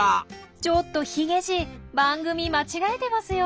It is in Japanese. ちょっとヒゲじい番組間違えてますよ。